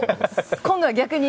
今度は逆に。